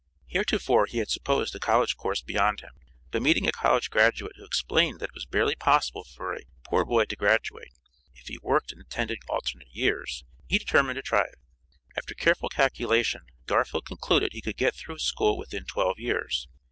Heretofore, he had supposed a college course beyond him, but meeting a college graduate who explained that it was barely possible for a poor boy to graduate, if he worked and attended alternate years, he determined to try it. After careful calculation Garfield concluded he could get through school within TWELVE YEARS.